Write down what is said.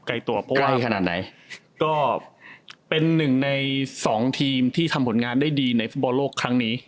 ตัวไวขนาดไหนก็เป็นหนึ่งในสองทีมที่ทำผลงานได้ดีในฟุตบอลโลกครั้งนี้